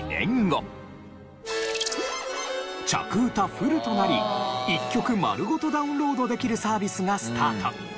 フルとなり１曲丸ごとダウンロードできるサービスがスタート。